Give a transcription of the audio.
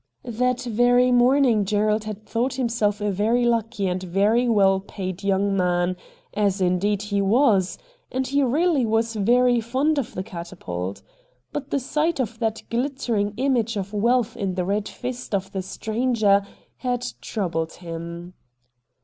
That very morning Gerald had thought himself a very lucky and very well paid young man, as, indeed, he was, and he really was very fond of the 'Catapult.' But A STRANGE STORY 59 the sight of that glittering image of wealth in the red fist of the stranger had troubled him.